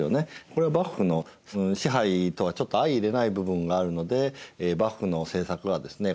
これは幕府の支配とはちょっと相いれない部分があるので幕府の政策はですね